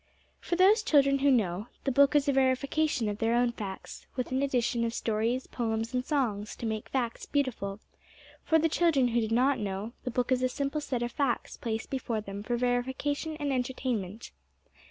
For those children who know, the book is a verification of their own facts, with an addition of stories, poems, and songs to make facts beautiful; for the children who do not know, the book is a simple set of facts placed before them for verification and entertainment.